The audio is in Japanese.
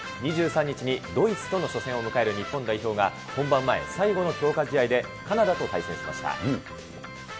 ２３日にドイツとの初戦を迎える日本代表が本番前最後の強化試合で、カナダと対戦しました。